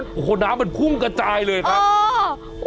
โอ้โหน้ำมันพุ่งกระจายเลยครับ